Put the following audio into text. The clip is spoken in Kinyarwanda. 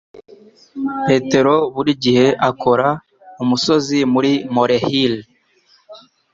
Petero buri gihe akora umusozi muri molehill.